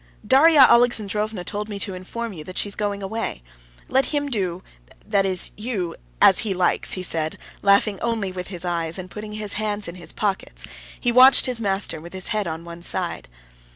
"Darya Alexandrovna told me to inform you that she is going away. Let him do—that is you—as he likes," he said, laughing only with his eyes, and putting his hands in his pockets, he watched his master with his head on one side.